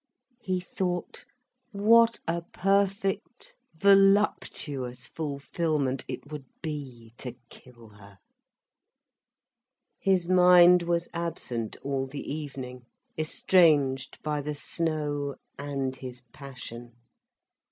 He thought, what a perfect voluptuous fulfilment it would be, to kill her. His mind was absent all the evening, estranged by the snow and his passion.